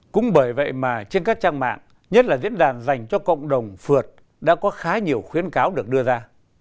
cũng bởi vậy mà trên các trang mạng nhất là diễn đàn dành cho cộng đồng phượt đã có khá nhiều khuyến cáo được đưa ra